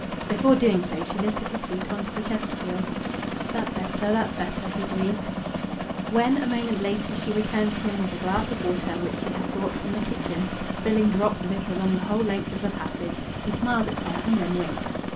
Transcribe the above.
Before doing so she lifted his feet on to the Chesterfield. "That's better. That's better," he breathed. When, a moment later, she returned to him with a glass of water which she had brought from the kitchen, spilling drops of it along the whole length of the passage, he smiled at her and then winked.